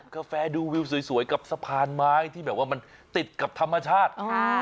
กาแฟดูวิวสวยกับสะพานไม้ที่แบบว่ามันติดกับธรรมชาติ